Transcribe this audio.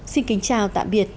xin kính chào tạm biệt